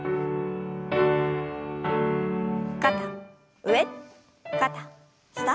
肩上肩下。